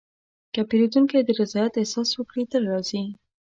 که پیرودونکی د رضایت احساس وکړي، تل راځي.